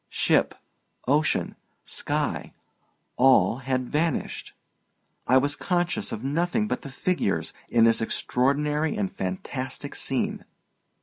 Ship, ocean, sky—all had vanished. I was conscious of nothing but the figures in this extraordinary and fantastic scene.